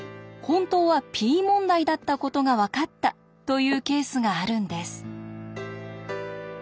本当はＰ問題だったことが分かったというケースがあるんです。